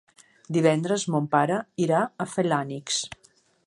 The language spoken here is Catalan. Divendres mon pare irà a Felanitx.